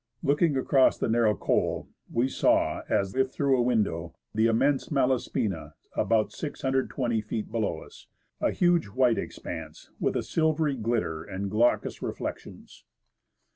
Looking across the narrow col, we saw, as if through a window, the immense Malaspina, about 620 feet below us, a huge white expanse with a silvery glitter and glaucous reflections.